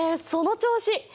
その調子！